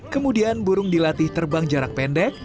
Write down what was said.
kemudian burung dilatih terbang jarak pendek